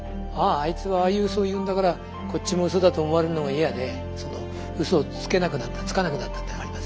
あいつはああいうウソを言うんだからこっちもウソだと思われるのが嫌でウソをつけなくなったつかなくなったっていうのはあります。